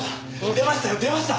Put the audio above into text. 出ましたよ出ました！